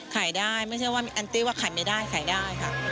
ขายได้ไม่ใช่ว่าแอนตี้ว่าขายไม่ได้ขายได้ค่ะ